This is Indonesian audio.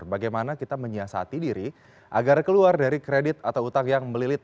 bagaimana kita menyiasati diri agar keluar dari kredit atau utang yang melilit